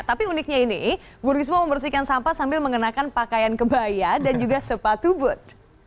tapi uniknya ini bu risma membersihkan sampah sambil mengenakan pakaian kebaya dan juga sepatu but